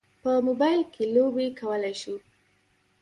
په موبایل کې لوبې کولی شو.